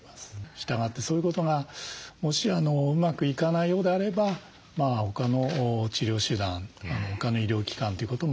したがってそういうことがもしうまくいかないようであれば他の治療手段他の医療機関ということもあるかもしれません。